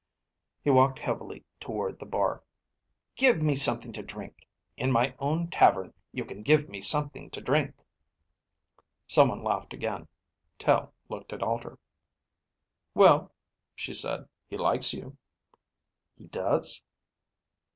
He walked heavily toward the bar. "Give me something to drink. In my own tavern you can give me something to drink." Someone laughed again. Tel looked at Alter. "Well," she said. "He likes you." "He does?"